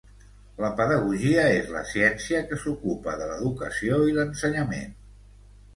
La pedagogia és la ciència que s'ocupa de l'educació i l'ensenyament.